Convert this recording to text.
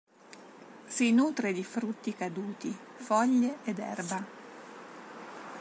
Si nutre di frutti caduti, foglie ed erba.